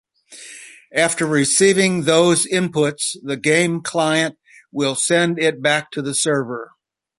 After receiving those inputs, the game client will send it back to the server.